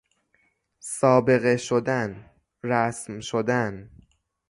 سابقه شدن، رسم شدن